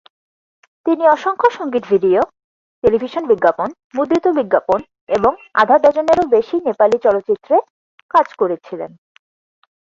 তিনি অসংখ্য সঙ্গীত-ভিডিও, টেলিভিশন বিজ্ঞাপন, মুদ্রিত বিজ্ঞাপন এবং আধা ডজনেরও বেশি নেপালি চলচ্চিত্রে কাজ করেছিলেন।